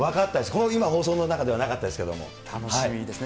この今、放送の中ではなかったで楽しみですね。